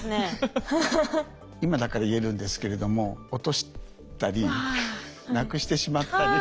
今だから言えるんですけれども落としたりなくしてしまったり。